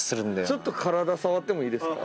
ちょっと体触ってもいいですか？